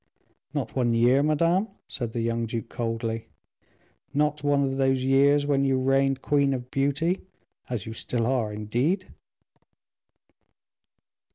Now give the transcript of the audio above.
"Not one year, madame?" said the young duke coldly. "Not one of those years when you reigned Queen of Beauty as you still are, indeed?"